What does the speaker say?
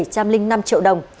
bảy trăm linh năm triệu đồng